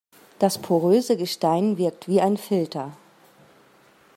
Das poröse Gestein wirkt wie ein Filter.